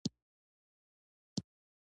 څو تنه یې له نظر بندۍ څخه وتښتېدل.